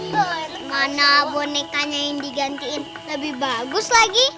bagaimana bonekanya yang digantiin lebih bagus lagi